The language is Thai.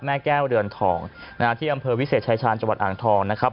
แม่แก้วเรือนทองนะฮะที่อำเภอวิเศษชายชาญจังหวัดอ่างทองนะครับ